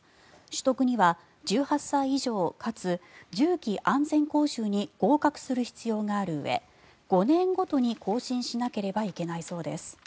取得には１８歳以上かつ銃器安全講習に合格する必要があるうえ５年ごとに更新しなければいけないそうです。